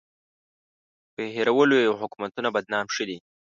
په هېرولو یې حکومتونه بدنام ښه دي.